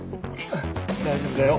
大丈夫だよ。